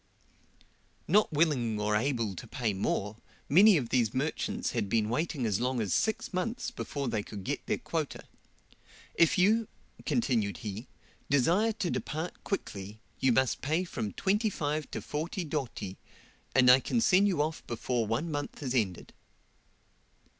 Not willing or able to pay more, many of these merchants had been waiting as long as six months before they could get their quota. "If you," continued he, "desire to depart quickly, you must pay from 25 to 40 doti, and I can send you off before one month is ended."